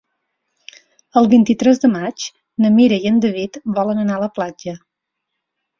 El vint-i-tres de maig na Mira i en David volen anar a la platja.